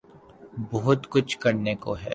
بہت کچھ کرنے کو ہے۔